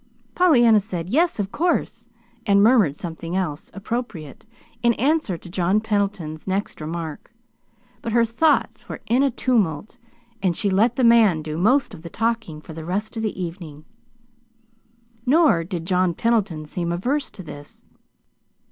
Pollyanna said "yes, of course," and murmured something else appropriate, in answer to John Pendleton's next remark. But her thoughts were in a tumult, and she let the man do most of the talking for the rest of the evening. Nor did John Pendleton seem averse to this.